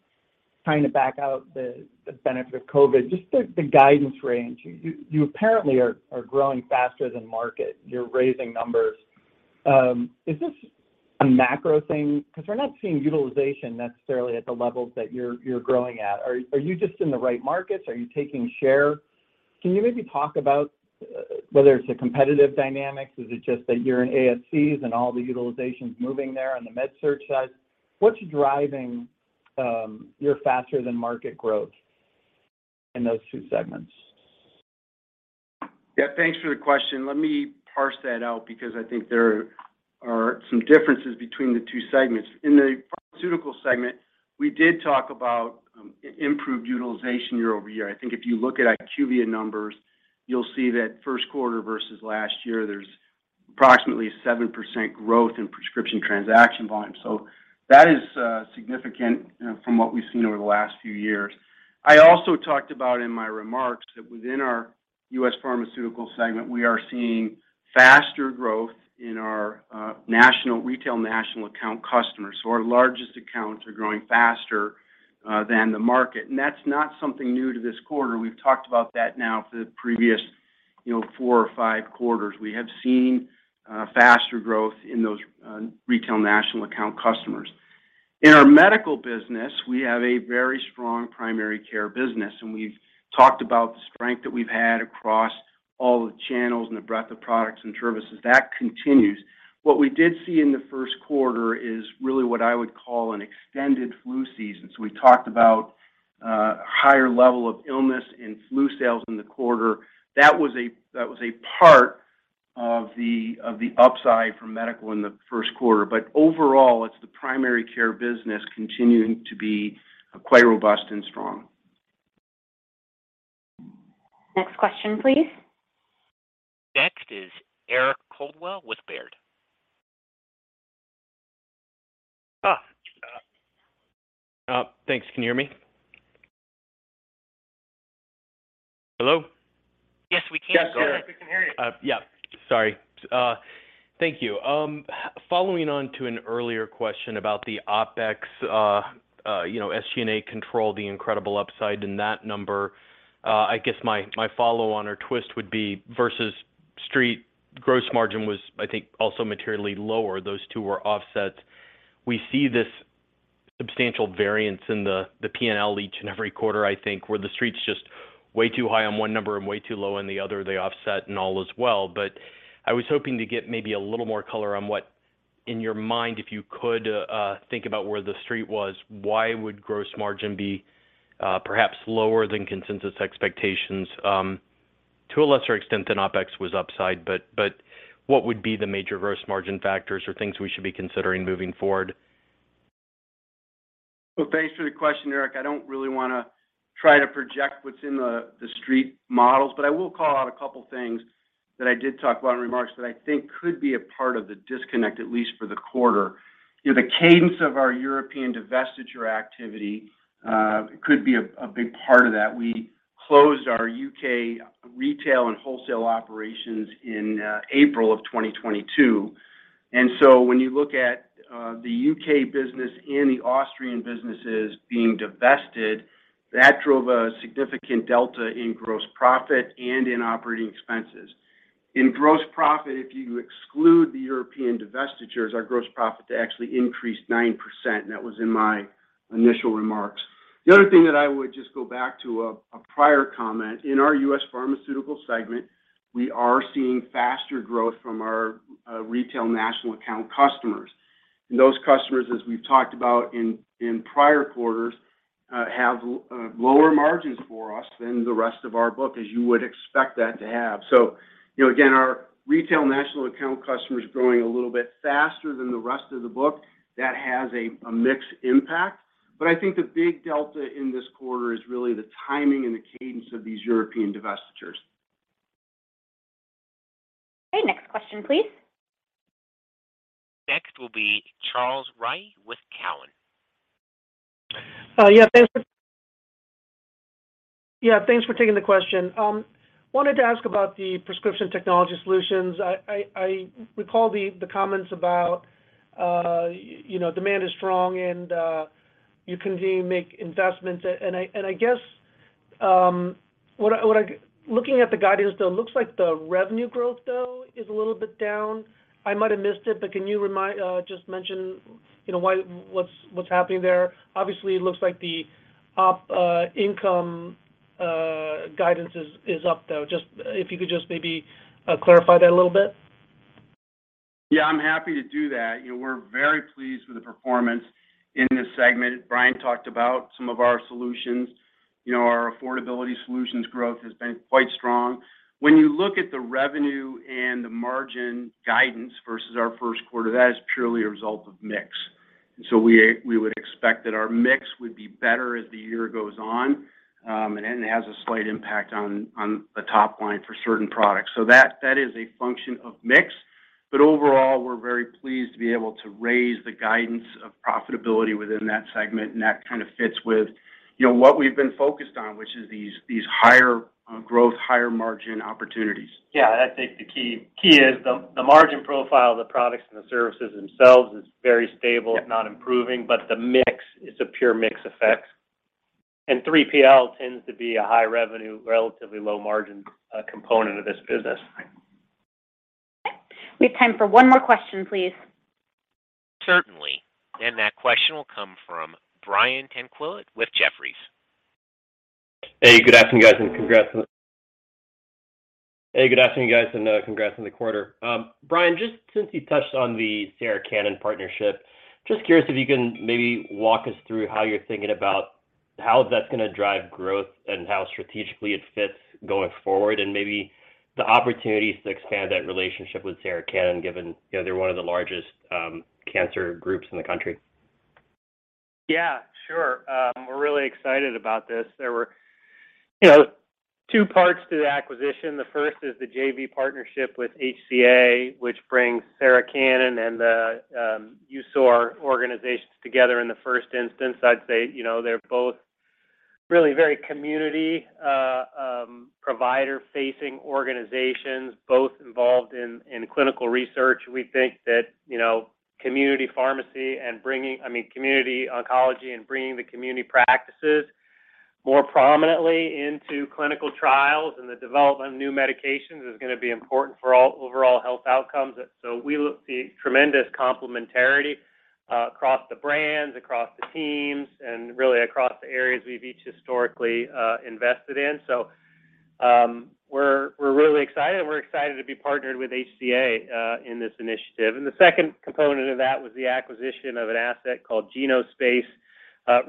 trying to back out the benefit of COVID, just the guidance range, you apparently are growing faster than market. You're raising numbers. Is this a macro thing? Because we're not seeing utilization necessarily at the levels that you're growing at. Are you just in the right markets? Are you taking share? Can you maybe talk about whether it's the competitive dynamics? Is it just that you're in ASCs and all the utilization's moving there on the med surg side? What's driving your faster than market growth in those two segments? Yeah, thanks for the question. Let me parse that out because I think there are some differences between the two segments. In the U.S. Pharmaceutical segment, we did talk about improved utilization year-over-year. I think if you look at IQVIA numbers, you'll see that first quarter versus last year, there's approximately 7% growth in prescription transaction volume. So that is significant from what we've seen over the last few years. I also talked about in my remarks that within our U.S. Pharmaceutical segment, we are seeing faster growth in our national retail national account customers. So our largest accounts are growing faster than the market, and that's not something new to this quarter. We've talked about that now for the previous, you know, four or five quarters. We have seen faster growth in those retail national account customers. In our medical business, we have a very strong primary care business, and we've talked about the strength that we've had across all the channels and the breadth of products and services. That continues. What we did see in the first quarter is really what I would call an extended flu season. We talked about higher level of illness and flu sales in the quarter. That was a part of the upside from medical in the first quarter. Overall, it's the primary care business continuing to be quite robust and strong. Next question, please. Next is Eric Coldwell with Baird. Thanks. Can you hear me? Hello? Yes, we can. Yes, Eric, we can hear you. Yeah. Sorry. Thank you. Following up on an earlier question about the OpEx, you know, SG&A control, the incredible upside in that number, I guess my follow on or twist would be versus Street, gross margin was, I think, also materially lower. Those two were offset. We see this substantial variance in the P&L each and every quarter, I think, where the Street's just way too high on one number and way too low on the other. They offset and all is well. But I was hoping to get maybe a little more color on what, in your mind, if you could think about where the Street was, why would gross margin be perhaps lower than consensus expectations, to a lesser extent than OpEx was upside? What would be the major gross margin factors or things we should be considering moving forward? Well, thanks for the question, Eric. I don't really wanna try to project what's in the Street models, but I will call out a couple things that I did talk about in remarks that I think could be a part of the disconnect, at least for the quarter. You know, the cadence of our European divestiture activity could be a big part of that. We closed our U.K. retail and wholesale operations in April of 2022. When you look at the U.K. business and the Austrian businesses being divested, that drove a significant delta in gross profit and in operating expenses. In gross profit, if you exclude the European divestitures, our gross profit actually increased 9%. That was in my initial remarks. The other thing that I would just go back to a prior comment, in our U.S. Pharmaceutical segment, we are seeing faster growth from our retail national account customers. Those customers, as we've talked about in prior quarters. Have lower margins for us than the rest of our book, as you would expect that to have. You know, again, our retail national account customers growing a little bit faster than the rest of the book, that has a mixed impact. I think the big delta in this quarter is really the timing and the cadence of these European divestitures. Okay. Next question, please. Next will be Charles Rhyee with Cowen. Yeah, thanks for taking the question. Wanted to ask about the Prescription Technology Solutions. I recall the comments about, you know, demand is strong and you continue to make investments. I guess, looking at the guidance though, it looks like the revenue growth though is a little bit down. I might have missed it, but can you remind, just mention, you know, why, what's happening there? Obviously, it looks like the op income guidance is up though. If you could maybe clarify that a little bit. Yeah, I'm happy to do that. You know, we're very pleased with the performance in this segment. Brian talked about some of our solutions. You know, our affordability solutions growth has been quite strong. When you look at the revenue and the margin guidance versus our first quarter, that is purely a result of mix. We would expect that our mix would be better as the year goes on. And then it has a slight impact on the top line for certain products. That is a function of mix. Overall, we're very pleased to be able to raise the guidance of profitability within that segment, and that kind of fits with, you know, what we've been focused on, which is these higher growth, higher margin opportunities. Yeah. I think the key is the margin profile of the products and the services themselves is very stable, yep, if not improving, but the mix, it's a pure mix effect. 3PL tends to be a high revenue, relatively low margin component of this business. Right. Okay. We have time for one more question, please. Certainly. That question will come from Brian Tanquilut with Jefferies. Hey, good afternoon, guys, and congrats on the quarter. Brian, just since you touched on the Sarah Cannon partnership, just curious if you can maybe walk us through how you're thinking about how that's gonna drive growth and how strategically it fits going forward, and maybe the opportunities to expand that relationship with Sarah Cannon given, you know, they're one of the largest cancer groups in the country. Yeah, sure. We're really excited about this. There were, you know, two parts to the acquisition. The first is the JV partnership with HCA, which brings Sarah Cannon and the U.S. Oncology Research organizations together in the first instance. I'd say, you know, they're both really very community provider-facing organizations, both involved in clinical research. We think that, you know, community pharmacy and, I mean, community oncology and bringing the community practices more prominently into clinical trials and the development of new medications is gonna be important for all overall health outcomes. We will see tremendous complementarity across the brands, across the teams, and really across the areas we've each historically invested in. We're really excited. We're excited to be partnered with HCA in this initiative. The second component of that was the acquisition of an asset called Genospace.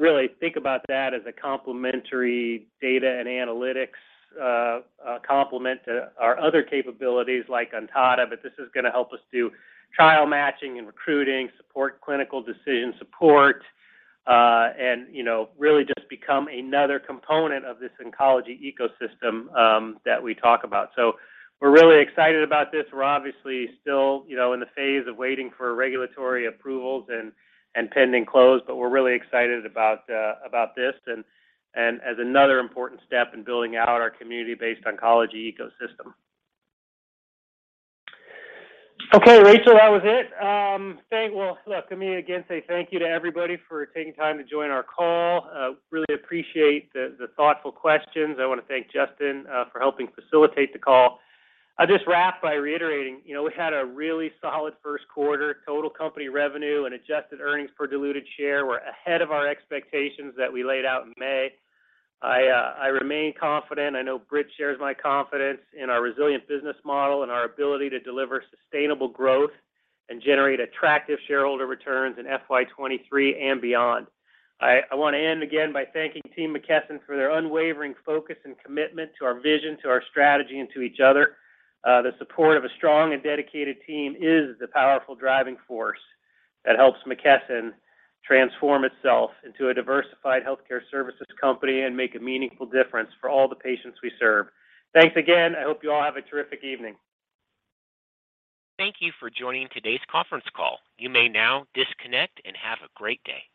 Really think about that as a complementary data and analytics complement to our other capabilities like Ontada, but this is gonna help us do trial matching and recruiting, support clinical decision support, and, you know, really just become another component of this oncology ecosystem that we talk about. We're really excited about this. We're obviously still, you know, in the phase of waiting for regulatory approvals and pending close, but we're really excited about this and as another important step in building out our community-based oncology ecosystem. Okay, Rachel, that was it. Well, look, let me again say thank you to everybody for taking time to join our call. Really appreciate the thoughtful questions. I wanna thank Justin for helping facilitate the call. I'll just wrap by reiterating, you know, we had a really solid first quarter total company revenue and adjusted earnings per diluted share. We're ahead of our expectations that we laid out in May. I remain confident, I know Britt shares my confidence in our resilient business model and our ability to deliver sustainable growth and generate attractive shareholder returns in FY 2023 and beyond. I wanna end again by thanking Team McKesson for their unwavering focus and commitment to our vision, to our strategy, and to each other. The support of a strong and dedicated team is the powerful driving force that helps McKesson transform itself into a diversified healthcare services company and make a meaningful difference for all the patients we serve. Thanks again. I hope you all have a terrific evening. Thank you for joining today's conference call. You may now disconnect and have a great day.